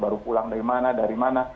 baru pulang dari mana dari mana